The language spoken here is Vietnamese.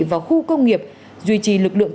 và khu công nghiệp duy trì lực lượng